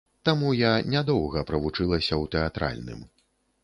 Таму я не доўга правучылася ў тэатральным.